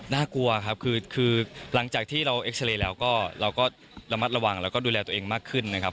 น่ากลัวครับคือหลังจากที่เราเอ็กซาเรย์แล้วก็เราก็ระมัดระวังแล้วก็ดูแลตัวเองมากขึ้นนะครับ